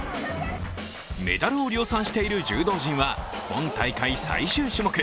メダルを量産している柔道陣は今大会最終種目。